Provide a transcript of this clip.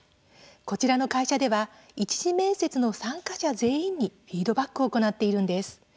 こちらの会社では、１次面接の参加者全員にフィードバックを行っているんです。